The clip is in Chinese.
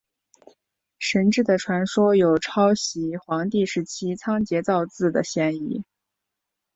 神志的传说有抄袭黄帝时期仓颉造字的嫌疑。